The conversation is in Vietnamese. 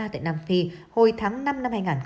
tại nam phi hồi tháng năm năm hai nghìn hai mươi